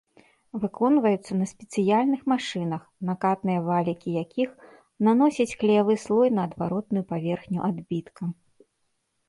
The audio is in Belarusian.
Выконваецца на спецыяльных машынах, накатныя валікі якіх наносяць клеявы слой на адваротную паверхню адбітка.